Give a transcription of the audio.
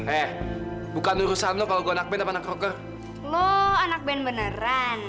eh bukan urusan lo kalo gue anak ben apa anak roker